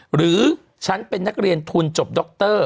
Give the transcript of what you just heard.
หรือฉันเป็นนักเรียนทุนจบดร